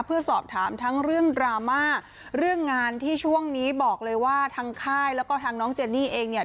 เพื่อสอบถามทั้งเรื่องดราม่าเรื่องงานที่ช่วงนี้บอกเลยว่าทางค่ายแล้วก็ทางน้องเจนนี่เองเนี่ย